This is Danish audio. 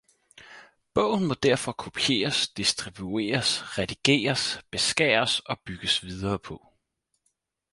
Bogen må derfor kopieres, distribueres, redigeres, beskæres og bygges videre på